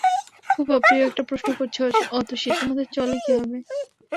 খুব অপ্রিয় একটা প্রশ্ন করছি অতসী, তোমাদের চলে কীভাবে?